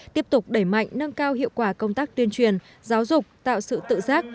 tiếp tục đẩy mạnh nâng cao hiệu quả công tác tuyên truyền giáo dục tạo sự tự giác